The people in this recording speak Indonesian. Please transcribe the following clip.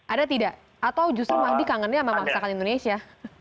ada tidak atau justru mahdi kangennya sama masakan indonesia